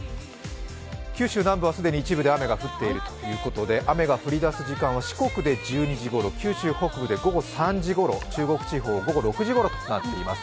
九州南部は既に一部で雨が降っているということで雨が降りだす時間は四国で１２時ごろ、九州北部で午後３時ごろ中国地方午後６時ごろとなっています。